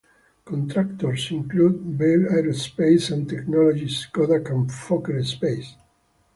Contractors include Ball Aerospace and Technologies, Kodak and Fokker Space.